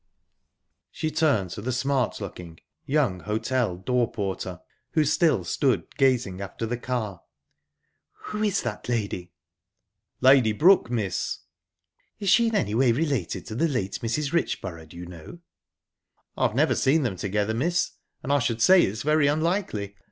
She turned to the smart looking young hotel door porter, who still stood gazing after the car. "Who is that lady?" "Lady Brooke, miss." "Is she in any way related to the late Mrs. Richborough, do you know?" "I've never seen them together, miss, and I should say it's very unlikely.